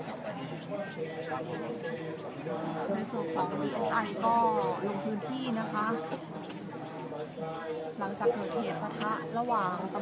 มีผู้ที่ได้รับบาดเจ็บและถูกนำตัวส่งโรงพยาบาลเป็นผู้หญิงวัยกลางคน